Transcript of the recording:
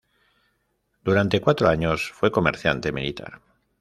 Durante cuatro años, fue comerciante militar.